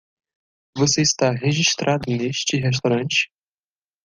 Você está registrado neste restaurante?